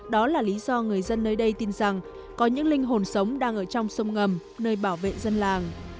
đó là lý do người dân nơi đây tin rằng có những linh hồn sống đang ở trong sông ngầm nơi bảo vệ dân làng